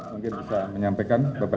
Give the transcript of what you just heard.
mungkin bisa menyampaikan beberapa